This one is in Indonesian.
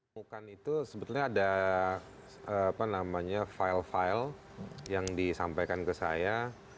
mukan itu sebetulnya ada file file yang disampaikan ke saya